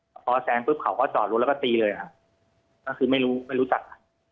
พอแซงปุ๊บเขาก็จอดรถแล้วก็ตีเลยครับก็คือไม่รู้ไม่รู้จักกัน